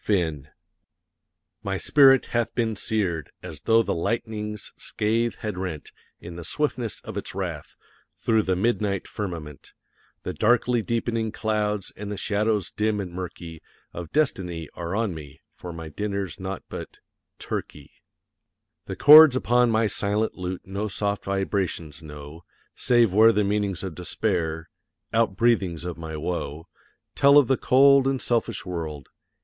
FINN My spirit hath been seared, as though the lightning's scathe had rent, In the swiftness of its wrath, through the midnight firmament, The darkly deepening clouds; and the shadows dim and murky Of destiny are on me, for my dinner's naught but turkey. The chords upon my silent lute no soft vibrations know, Save where the meanings of despair out breathings of my woe Tell of the cold and selfish world.